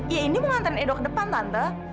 ya ini mau ngantuin edo ke depan tante